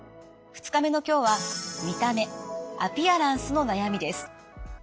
２日目の今日は「見た目『アピアランス』の悩み」です。